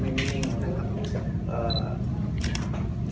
มันคือแบบรู้สึก